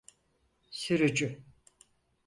Sürücü…